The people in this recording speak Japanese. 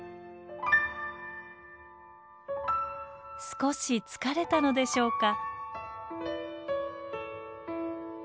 少し疲れたのでしょうか？